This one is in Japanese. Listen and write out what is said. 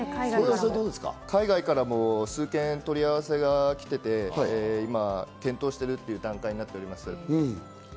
海外からも数件問い合わせが来ていて、今検討しているという段階になっています。